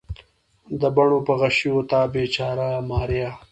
د بڼو په غشیو تا بیچاره ماریا